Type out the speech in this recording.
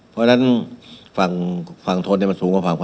เพราะฉะนั้นฝั่งทนมันสูงกว่าฝั่งขวา